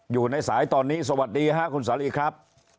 อยู่ในสายตอนนี้สวัสดีค่ะคุณสาลีครับ